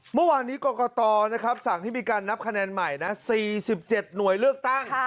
เมื่อวานนี้กรกตนะครับสั่งให้มีการนับคะแนนใหม่นะ๔๗หน่วยเลือกตั้ง